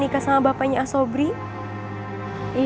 kapan bapak mau nikah